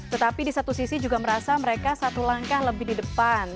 tetapi di satu sisi juga merasa mereka satu langkah lebih di depan